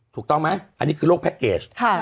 ถูกต้องไหมอันนี้คือโรคแพ็คเกจ